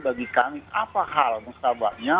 bagi kami apa hal mustabaknya